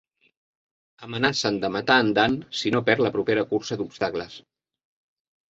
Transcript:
Amenacen de matar en Dan si no perd la propera cursa d'obstacles.